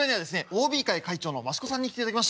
ＯＢ会会長の益子さんに来ていただきました。